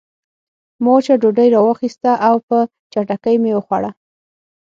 ما وچه ډوډۍ راواخیسته او په چټکۍ مې وخوړه